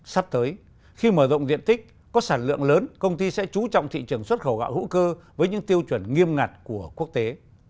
sắp tới khi mở rộng diện tích có sản lượng lớn công ty sẽ trú trọng thị trường xuất khẩu gạo hữu cơ với những tiêu chuẩn nghiêm ngặt của quốc tế